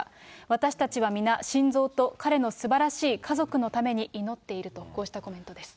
私たちは皆、晋三と彼のすばらしい家族のために祈っていると、こうしたコメントです。